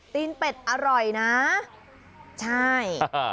ตีนเป็ดอร่อยนะใช่